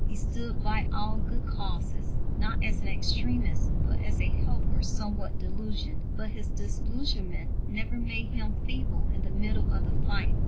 He stood by all good causes, not as an extremist, but as a helper somewhat disillusioned. But his disillusionment never made him feeble in the middle of the fight.